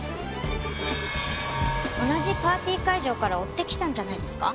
同じパーティー会場から追ってきたんじゃないですか？